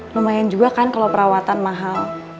lumayan juga kan kalau perawatan mahal